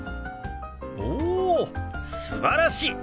おおすばらしい！